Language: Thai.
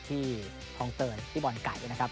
ที่ทองเติร์นที่บ่อนไก่นะครับ